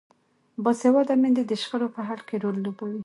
باسواده میندې د شخړو په حل کې رول لوبوي.